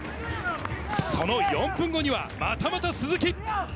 その４分後にはまたまた鈴木。